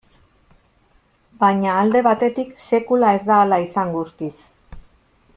Baina alde batetik, sekula ez da hala izan guztiz.